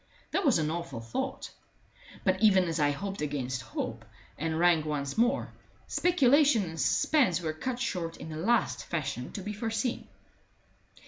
That was an awful thought; but even as I hoped against hope, and rang once more, speculation and suspense were cut short in the last fashion to be foreseen.